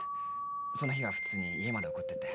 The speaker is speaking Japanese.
その日は普通に家まで送ってって。